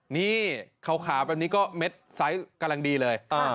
นี่ขาวแบบนี้ก็เม็ดไซส์กำลังดีเลย